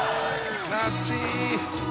懐い！